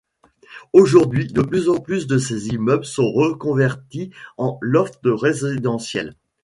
Aujourd'hui, de plus en plus de ces immeubles sont reconvertis en lofts résidentiels.